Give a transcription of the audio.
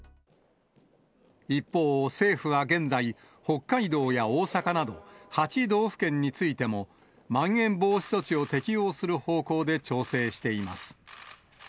一方、政府は現在、北海道や大阪など、８道府県についても、まん延防止措置を適用する方向で調整しています。